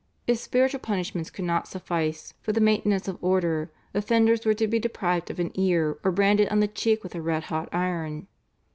If spiritual punishments could not suffice for the maintenance of order offenders were to be deprived of an ear or branded on the cheek with a red hot iron.